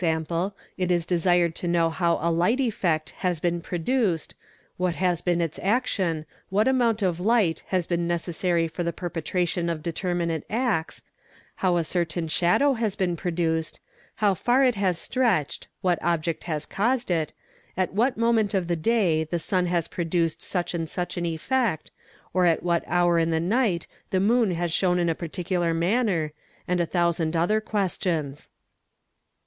it is desired to know how a light effect has been produced, what has been its action, what amount of light has been necessary for the perpetration of determinate acts, how a certain shadow has been produced, how far it has stretched, what object has caused it, at what moment of the day the sun has produced such and such an effect, or at what hour in the night _ the moon has shone in a particular manner, and a thousand other ques tions.